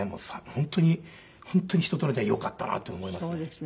本当に本当に人との出会いよかったなって思いますね。